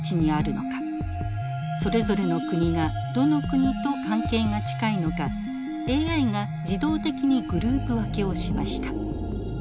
それぞれの国がどの国と関係が近いのかＡＩが自動的にグループ分けをしました。